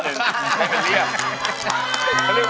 ให้มันเรียบ